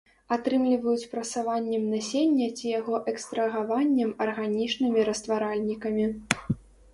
Атрымліваюць прасаваннем насення ці яго экстрагаваннем арганічнымі растваральнікамі.